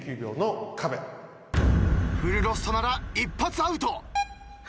フルロストなら一発アウト。